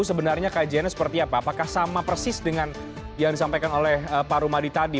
sebenarnya kajiannya seperti apa apakah sama persis dengan yang disampaikan oleh pak rumadi tadi